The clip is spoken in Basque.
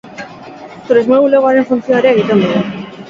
Turismo bulegoaren funtzioa ere egiten dugu.